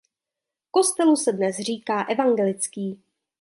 Kostelu se dodnes říká evangelický.